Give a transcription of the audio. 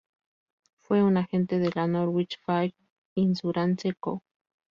Fue un agente de la Norwich Fire Insurance Co.